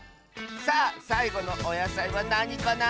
さあさいごのおやさいはなにかな？